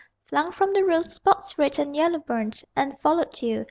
Flung from the roof, spots red and yellow burned And followed you.